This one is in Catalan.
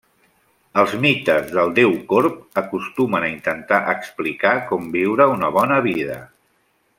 Els mites del déu corb acostumen a intentar explicar com viure una bona vida.